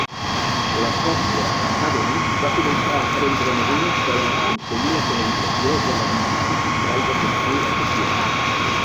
La Copiah Academy va començar a prendre mesures per aconseguir l'acreditació de la Mississippi Private School Association.